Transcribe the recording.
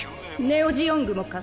ネオ・ジオングもか？